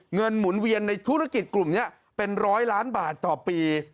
หมุนเวียนในธุรกิจกลุ่มนี้เป็นร้อยล้านบาทต่อปี